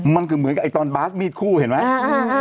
มันคือเหมือนกับตอนบาสมีดคู่เห็นไหม